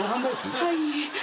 はい。